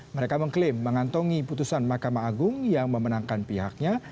mereka mengklaim mengantongi putusan mahkamah agung yang memenangkan pihaknya